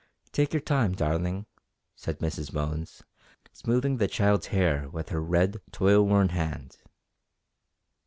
"Take your time, darling," said Mrs Bones, smoothing the child's hair with her red toil worn hand.